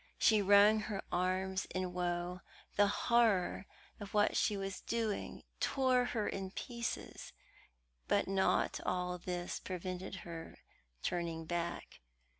She wrung her arms in woe; the horror of what she was doing tore her in pieces; but not all this prevented her turning back.